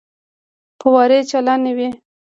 فوارې چالانې وې.